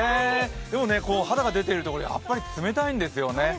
でも肌が出ているところ、やっぱり冷たいんですよね。